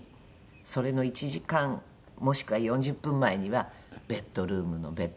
それの１時間もしくは４０分前にはベッドルームのベッドの中に入ってます。